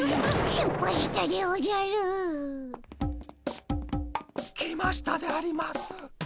しっぱいしたでおじゃる！来ましたであります。